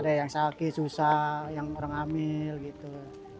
ada yang sakit susah yang orang hamil gitu